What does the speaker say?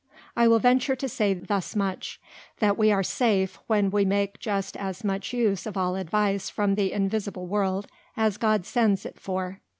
I will venture to say thus much, That we are safe, when we make just as much use of all Advice from the invisible World, as God sends it for.